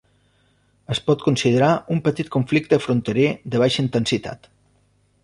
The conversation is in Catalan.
Es pot considerar un petit conflicte fronterer de baixa intensitat.